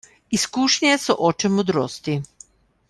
Izkušnje so oče modrosti.